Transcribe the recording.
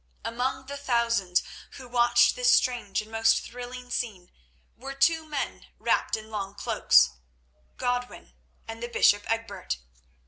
Among the thousands who watched this strange and most thrilling scene were two men wrapped in long cloaks, Godwin and the bishop Egbert.